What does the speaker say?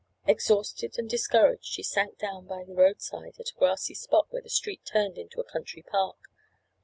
Exhausted and discouraged, she sank down by the roadside at a grassy spot where the street turned into a country park.